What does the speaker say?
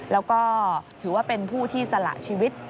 แล้วก็ถือว่าเป็นผู้ที่สละชีวิต